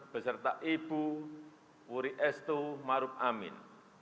beserta ibu wuri estu maruf amin